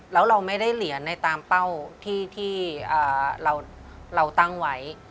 แล้วเราไม่ได้เหรียญในตามเป้าที่เราตั้งไว้